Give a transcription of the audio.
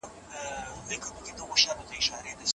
تل د موضوع مخینه په پام کې ونیسئ.